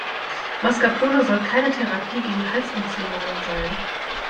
Mascarpone soll keine Therapie gegen Halsentzündungen sein.